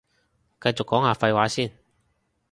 繼續講下廢話先